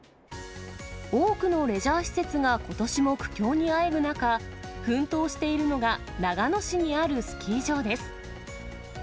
多くのレジャー施設がことしも苦境にあえぐ中、奮闘しているのが、長野市にあるスキー場です。